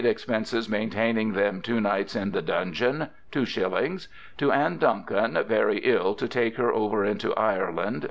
Expences maintaining them two Nights in the Dungeon ...................... /2/ "To Ann Duncan very ill to take her over into Ireland